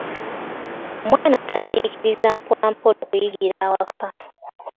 Omwana atandiikiriza mpola mpola okuyigira awaka.